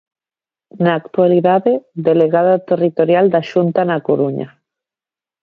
Na actualidade, Delegada Territorial da Xunta na Coruña.